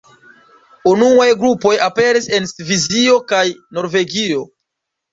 Unuaj grupoj aperis en Svisio kaj Norvegio.